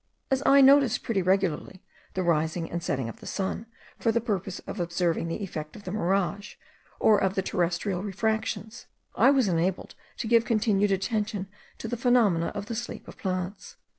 As I noticed pretty regularly the rising and setting of the sun, for the purpose of observing the effect of the mirage, or of the terrestrial refractions, I was enabled to give continued attention to the phenomena of the sleep of plants.